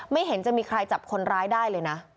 เห็นจะมีใครจับคนร้ายได้เลยนะ